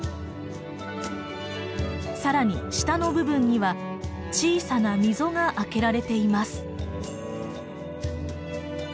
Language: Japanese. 更に下の部分には小さな溝が開けられています。